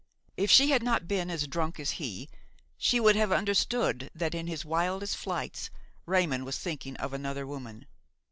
If she had not been as drunk as he, she would have understood that in his wildest flights Raymon was thinking of another woman.